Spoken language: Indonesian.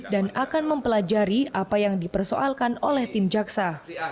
dan akan mempelajari apa yang dipersoalkan oleh tim jaksa